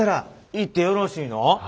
弾いてよろしいの？